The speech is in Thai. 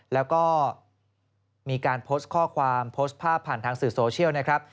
แล้วก็มีการโพสต์ข้อความโพสต์ภาพผ่านทางสื่อโซเชียลนะครับ